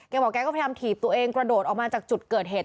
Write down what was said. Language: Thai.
บอกแกก็พยายามถีบตัวเองกระโดดออกมาจากจุดเกิดเหตุ